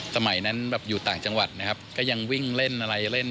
สมัยนั้นแบบอยู่ต่างจังหวัดนะครับก็ยังวิ่งเล่นอะไรเล่น